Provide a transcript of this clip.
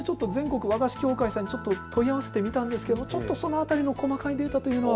全国和菓子協会さんに問い合わせてみたんですけどちょっとその辺りの細かいデータというのは